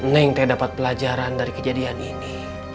neng te dapat pelajaran dari kejadian ini